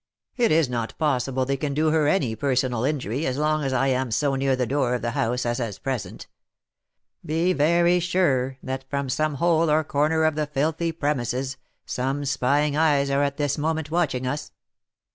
It is not possible they can do her any personal injury as long as I am so near the door of the house as at present. Be very sure that from some hole or corner of the filthy premises, some spying eyes are at this moment watching us.